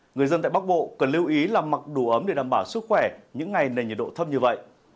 người dân tại bắc bộ cần lưu ý là mặc đủ ấm để đảm bảo sức khỏe những ngày nền nhiệt độ thấp như vậy